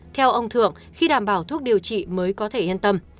theo ông thượng khi đảm bảo thuốc điều trị mới có thể yên tâm